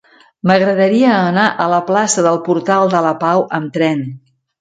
M'agradaria anar a la plaça del Portal de la Pau amb tren.